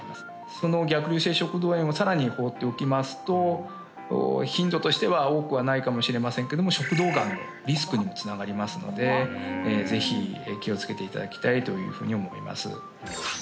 その逆流性食道炎をさらに放っておきますと頻度としては多くはないかもしれませんけども食道がんのリスクにもつながりますのでぜひ気をつけていただきたいというふうに思います